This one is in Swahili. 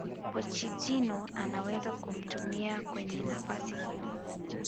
Pochettino anaweza kumtumia kwenye nafasi hiyo